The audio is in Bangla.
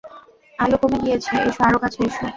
–আলো কমে গিয়েছে, এস আরও কাছে এস।